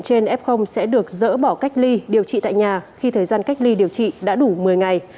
trên f sẽ được dỡ bỏ cách ly điều trị tại nhà khi thời gian cách ly điều trị đã đủ một mươi ngày